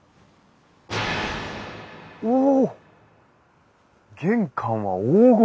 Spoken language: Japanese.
お！